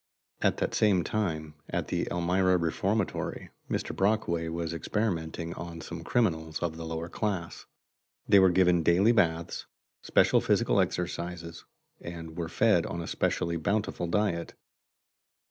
At that same time, at the Elmira Reformatory Mr. Brockway was experimenting on some criminals of the lower class. They were given daily baths, special physical exercises, and were fed on a specially bountiful diet.